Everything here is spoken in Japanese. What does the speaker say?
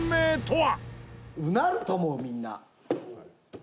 うなると思うみんな。